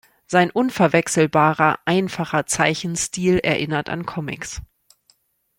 Sein unverwechselbarer, einfacher Zeichenstil erinnert an Comics.